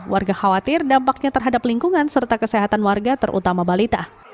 warga khawatir dampaknya terhadap lingkungan serta kesehatan warga terutama balita